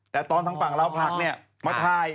แต่ตอนทางฝั่งลาวผักเนี่ยมาถ่าย